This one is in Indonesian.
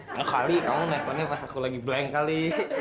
nggak kali kamu nepennya pas aku lagi blank kali